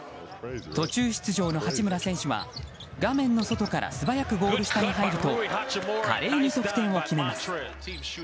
途中出場の八村選手は画面の外から素早くゴール下に入ると華麗に得点を決めます。